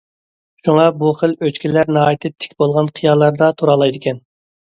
شۇڭا بۇ خىل ئۆچكىلەر ناھايىتى تىك بولغان قىيالاردا تۇرالايدىكەن.